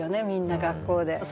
みんな学校で。